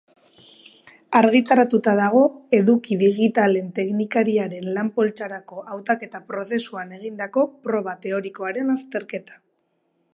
Argitaratuta dago eduki digitalen teknikariaren lan-poltsarako hautaketa-prozesuan egindako proba teorikoaren azterketa.